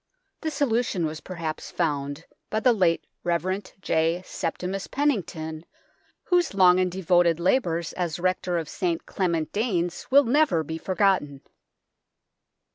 The solution was perhaps found by the late Rev. J. Septimus Pennington, whose long and devoted labours as Rector of St Clement Danes will never be forgotten.